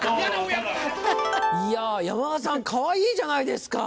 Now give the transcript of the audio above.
いや山田さんかわいいじゃないですか。